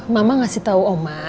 mama ngasih tau oma